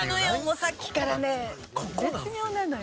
さっきからね絶妙なのよ。